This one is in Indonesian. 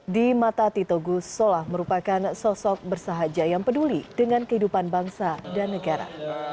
di mata tito gusola merupakan sosok bersahaja yang peduli dengan kehidupan bangsa dan negara